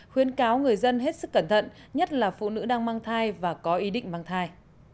khuyến cáo người dân hết sức cẩn thận nhất là phụ nữ đang mang thai và có ý định mang thai